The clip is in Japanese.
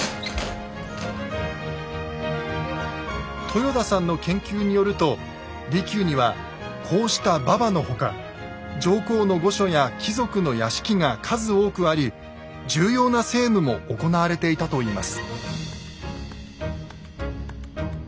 豊田さんの研究によると離宮にはこうした馬場の他上皇の御所や貴族の屋敷が数多くあり重要な政務も行われていたといいます。